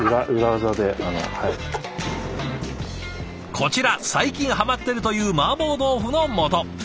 こちら最近はまってるというマーボー豆腐のもと。